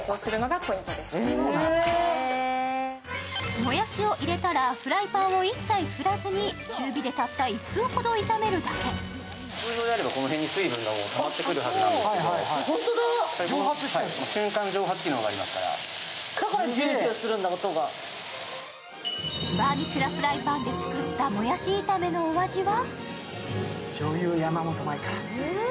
もやしを入れたら、フライパンを一切振らずに中火で１分炒めるだけバーミュキュラフライパンで作ったもやし炒めのお味は？